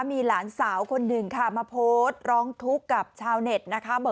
มีหลานสาวคนหนึ่งค่ะมาโพสต์ร้องทุกข์กับชาวเน็ตนะคะ